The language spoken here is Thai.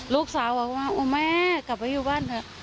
ลูกสาวบอกว่าโอ้แม่กลับไปอยู่บ้านเถอะ